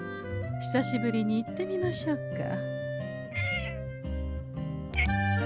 久しぶりに行ってみましょうか。